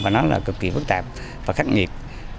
và nó là cực kỳ phức tạp và khách nghiệp